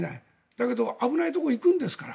だけど危ないところに行くんですから。